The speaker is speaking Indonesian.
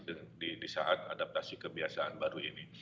di saat adaptasi kebiasaan baru ini